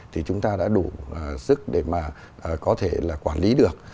thì chúng ta đã đủ sức để mà có thể là quản lý được